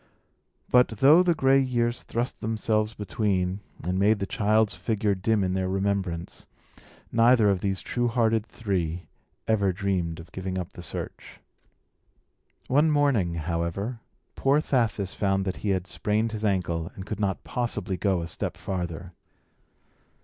But, though the gray years thrust themselves between, and made the child's figure dim in their remembrance, neither of these true hearted three ever dreamed of giving up the search. One morning, however, poor Thasus found that he had sprained his ankle, and could not possibly go a step farther.